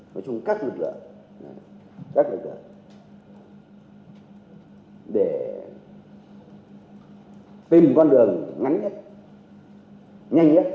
với chung các lực lượng để tìm con đường ngắn nhất nhanh nhất